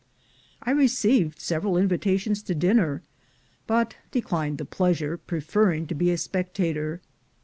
I received several invitations to dinner, but de clined the pleasure, preferring to be a spectator.